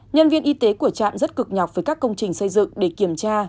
nhân viên y tế của trạm rất cực nhọc với các công trình xây dựng để kiểm tra